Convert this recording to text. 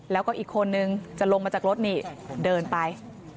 แล้วก็อีกคนนึงจะลงมาจากรถนี่เดินไป